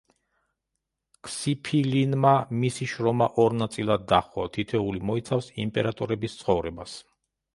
ქსიფილინმა მისი შრომა ორ ნაწილად დაჰყო, თითოეული მოიცავს იმპერატორების ცხოვრებას.